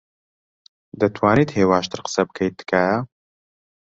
دەتوانیت هێواشتر قسە بکەیت، تکایە؟